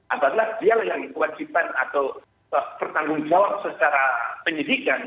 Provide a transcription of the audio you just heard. adalah dia yang kewajiban atau bertanggung jawab secara penyidikan